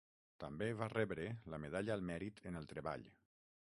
També va rebre la Medalla al Mèrit en el Treball.